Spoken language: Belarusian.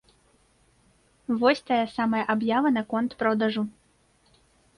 Вось тая самая аб'ява наконт продажу.